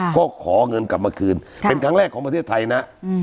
ก็ขอเงินกลับมาคืนเป็นครั้งแรกของประเทศไทยนะ